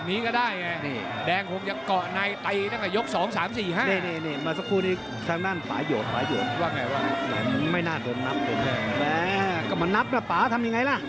มันจะไม่เป็นแบบนี้ก็ได้